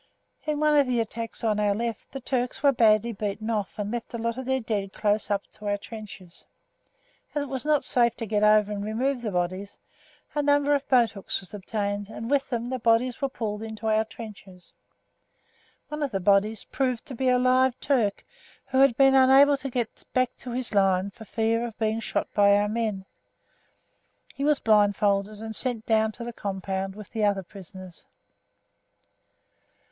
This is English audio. In one of the attacks on our left the Turks were badly beaten off and left a lot of their dead close up to our trenches. As it was not safe to get over and remove the bodies, a number of boat hooks were obtained, and with them the bodies were pulled in to our trenches. One of the "bodies" proved to be a live Turk who had been unable to get back to his line for fear of being shot by our men. He was blindfolded and sent down to the compound with the other prisoners.